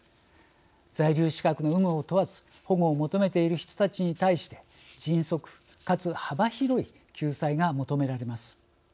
在留資格の有無を問わず保護を求めている人たちに対して迅速かつ幅広い救済が求められます。